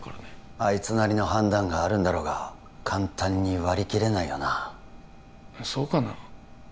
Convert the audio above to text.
あいつなりの判断があるんだろうが簡単に割り切れないよなそうかな？